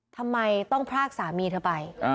ทำไมต้องพรากสามีเธอไป